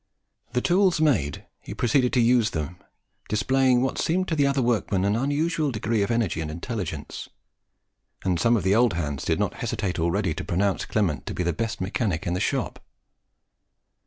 The tools made, he proceeded to use them, displaying what seemed to the other workmen an unusual degree of energy and intelligence; and some of the old hands did not hesitate already to pronounce Clement to be the best mechanic in the shop.